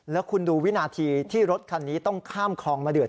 แล้วคุณดูวินาทีที่รถคันนี้ต้องข้ามคลองมาเดือด